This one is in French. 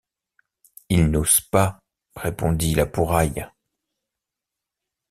Ils n’osent pas, répondit La Pouraille.